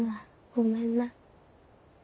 ごめんな。